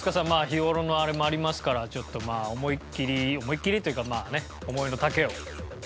日頃のあれもありますからちょっと思いっきり思いっきりというかまあね思いの丈を。